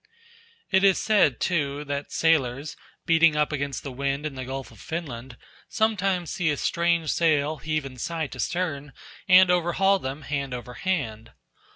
It is said, too, that sailors, beating up against the wind in the Gulf of Finland, sometimes see a strange sail heave in sight astern and overhaul them hand over hand.